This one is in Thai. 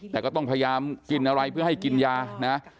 แต่ก็ต้องพยายามกินอะไรเพื่อให้กินยานะ